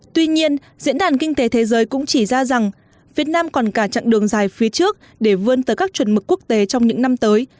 tuy nhiên diễn đàn kinh tế thế giới cũng chỉ ra rằng việt nam còn cả chặng đường dài phía trước để vươn tới các chuẩn mực quốc tế trong những năm tới